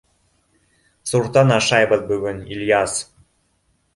— Суртан ашайбыҙ бөгөн, Ильяс!